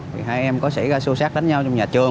thì hai em có xảy ra xua xác đánh nhau trong nhà trường